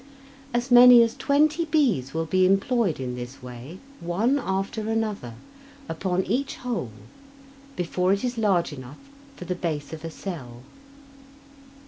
As many as twenty bees will be employed in this way, one after another, upon each hole before it is large enough for the base of a cell.